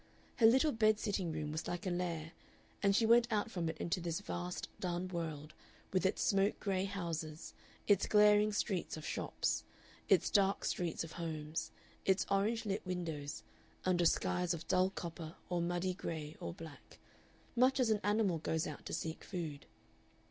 Her little bed sitting room was like a lair, and she went out from it into this vast, dun world, with its smoke gray houses, its glaring streets of shops, its dark streets of homes, its orange lit windows, under skies of dull copper or muddy gray or black, much as an animal goes out to seek food.